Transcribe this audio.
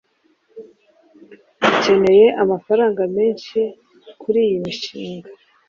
Dukeneye amafaranga menshi kuriyi mushinga.